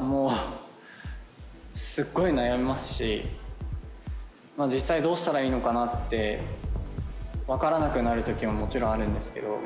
もう、すっごい悩みますし、実際、どうしたらいいのかなって、分からなくなるときももちろんあるんですけど。